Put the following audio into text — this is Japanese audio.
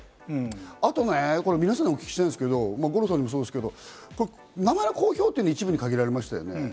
あと皆さんにお聞きしたいんですけど、五郎さんもそうですけど、名前の公表って一部に限られましたね。